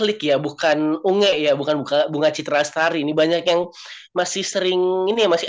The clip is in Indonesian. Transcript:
league ya bukan unge ya bukan buka bunga citra astari ini banyak yang masih sering ini masih